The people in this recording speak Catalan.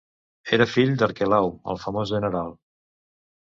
Era fill d'Arquelau, el famós general.